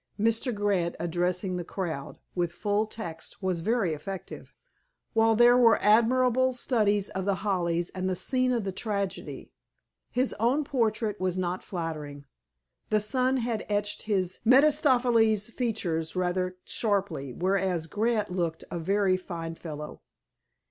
"Mr. Grant addressing the crowd," with full text, was very effective, while there were admirable studies of The Hollies and the "scene of the tragedy." His own portrait was not flattering. The sun had etched his Mephistophelian features rather sharply, whereas Grant looked a very fine fellow.